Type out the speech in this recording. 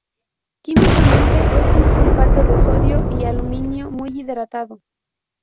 Químicamente es un sulfato de sodio y aluminio muy hidratado.